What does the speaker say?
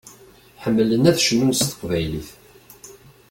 Ḥemmlen ad cnun s teqbaylit.